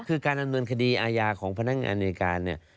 คือการดำเนินคดีอาญาของพนักงานในการเนี่ย